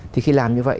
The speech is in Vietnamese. thì khi làm như vậy